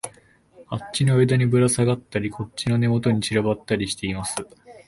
あっちの枝にぶらさがったり、こっちの根元に散らばったりしています